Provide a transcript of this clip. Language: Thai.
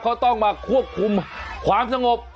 เขาต้องมาควบคุมความสงบ